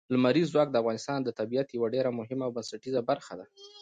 لمریز ځواک د افغانستان د طبیعت یوه ډېره مهمه او بنسټیزه برخه ده.